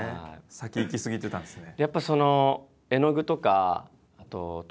先行き過ぎてたんですね。